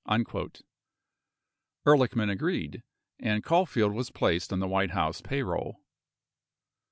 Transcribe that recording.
4 Ehrlichman agreed, and Caulfield was placed on the White House payroll.